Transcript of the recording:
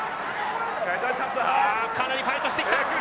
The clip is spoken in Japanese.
あかなりファイトしてきた。